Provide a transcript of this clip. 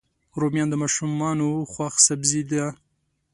رومیان د ماشومانو خوښ سبزي ده